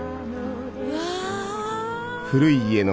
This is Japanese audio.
うわ！